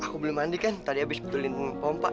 aku belum mandi kan tadi habis betulin pompa